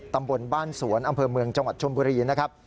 ตำบลบ้านสวนอำเภอเมืองจังหวัดชมบุรีนะครับ